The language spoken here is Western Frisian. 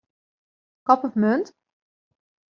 Kop of munt.